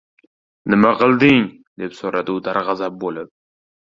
— Nima qilding? — deb so‘radi u darg‘azab bo‘lib.